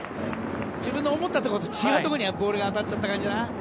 自分の思ったところと違うところにボールが当たっちゃった感じだね。